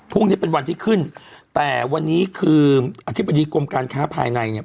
พรุ่งนี้เป็นวันที่ขึ้นแต่วันนี้คืออธิบดีกรมการค้าภายในเนี่ย